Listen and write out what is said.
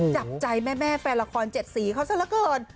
จับใจแม่แฟนละคร๗สีเขาซะละเกิน